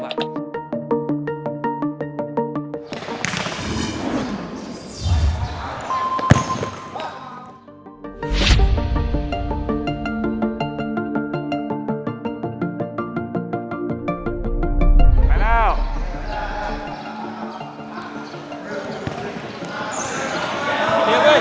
จำนวนท่าหน้าจริงหรือเป็นอาจริง